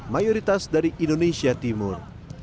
mayoritas dari indonesia timur